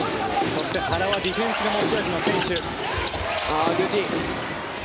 そして原はディフェンスが持ち味の選手。